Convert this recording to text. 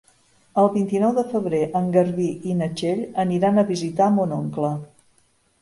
El vint-i-nou de febrer en Garbí i na Txell aniran a visitar mon oncle.